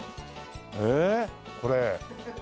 ええこれ。